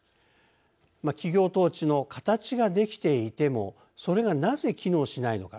企業統治の形ができていてもそれがなぜ機能しないのか。